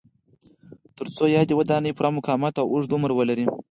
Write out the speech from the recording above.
ترڅو یادې ودانۍ پوره مقاومت او اوږد عمر ولري.